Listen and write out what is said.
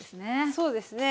そうですね。